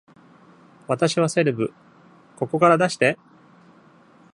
私はセレブ…ここから出して！